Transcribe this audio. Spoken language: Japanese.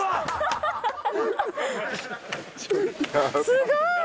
すごい。